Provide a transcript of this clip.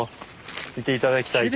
見て頂きたいな。